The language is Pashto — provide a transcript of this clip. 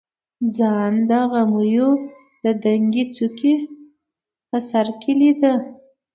ځان د غمیو د دنګې څوکې په سر کې لیده.